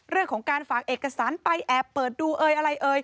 เรื่องของการฝากเอกสารไปแอบเปิดดูอะไร